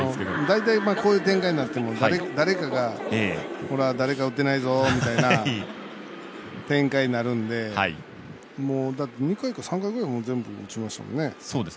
大体こういう展開になっても誰かが打てないぞって展開になるので２回から３回くらい全部、打ちましたもんね。